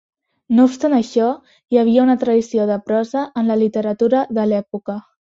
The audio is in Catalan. No obstant això, hi havia una tradició de prosa en la literatura de l'època.